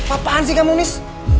apaan sih kamu mis